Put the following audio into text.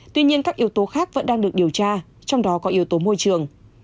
tuy nhiên các yếu tố khác vẫn đang được điều tra trong đó có yếu tố môi trường